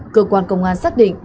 cơ quan công an xác định